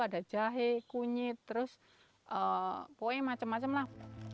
ada jahe kunyit terus poin macem macem lah